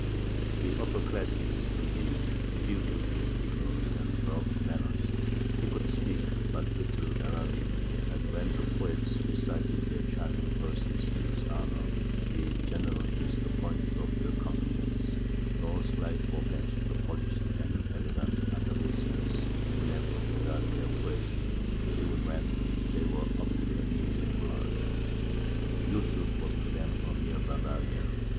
The upper classes, indeed, ridiculed his ignorance and rough manners; he could speak but little Arabic, and when the poets recited their charming verses in his honour he generally missed the point of the compliment no slight offence to the polished and elegant Andalusians, who never forgot their poetry even when they were up to their knees in blood. Yūsuf was to them a mere barbarian.